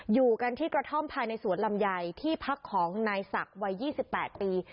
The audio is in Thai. อยู่กันที่กระท่อมภายในสวนลำไยที่พักของนายศักดิ์วัย๒๘ปี